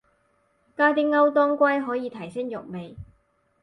加啲歐當歸可以提升肉味